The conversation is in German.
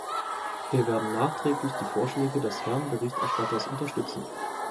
Wir werden nachdrücklich diese Vorschläge des Herrn Berichterstatters unterstützen.